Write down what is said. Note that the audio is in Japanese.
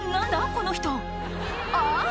この人あぁ！